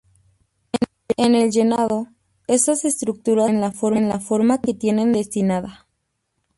En el llenado, estas estructuras adquieren la forma que tienen destinada.